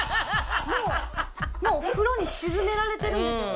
もう風呂に沈められてるんですよ